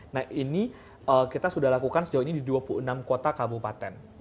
nah ini kita sudah lakukan sejauh ini di dua puluh enam kota kabupaten